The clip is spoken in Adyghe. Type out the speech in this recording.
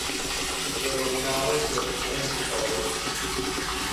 Зэрэунагъоу илъэсыкӏэм тыпэгъокӏы.